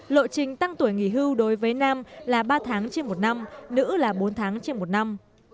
lộ trình tăng tuổi nghỉ hưu đối với nam là ba tháng trên một năm nữ là bốn tháng trên một năm